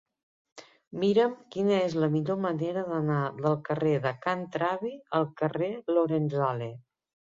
Mira'm quina és la millor manera d'anar del carrer de Can Travi al carrer de Lorenzale.